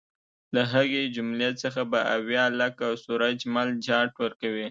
له هغې جملې څخه به اویا لکه سورج مل جاټ ورکوي.